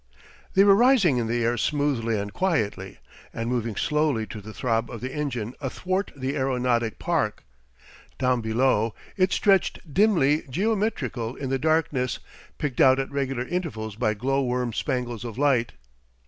They were rising in the air smoothly and quietly, and moving slowly to the throb of the engine athwart the aeronautic park. Down below it stretched, dimly geometrical in the darkness, picked out at regular intervals by glow worm spangles of light.